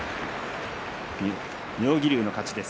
妙義龍の勝ちです。